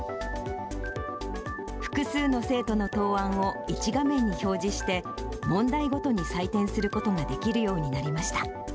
複数の生徒の答案を１画面に表示して、問題ごとに採点することができるようになりました。